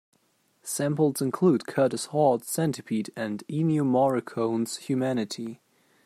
Samples include Curtis Hoard's "Centipede" and Ennio Morricone's "Humanity".